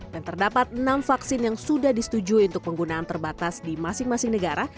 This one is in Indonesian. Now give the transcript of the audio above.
dan terdapat enam vaksin yang sudah disetujui untuk penggunaan terbatas di masing masing negara